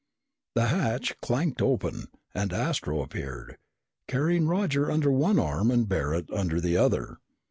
The hatch clanked open and Astro appeared, carrying Roger under one arm and Barret under the other.